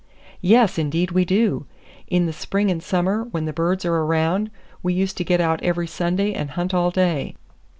"Yes, indeed we do. In the spring and summer, when the birds are around, we used to get out every Sunday, and hunt all day.